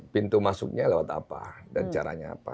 pintu masuknya lewat apa dan caranya apa